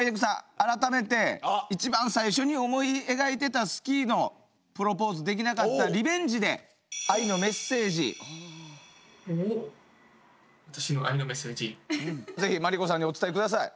改めて一番最初に思い描いてたスキーのプロポーズできなかったリベンジで是非麻利子さんにお伝えください。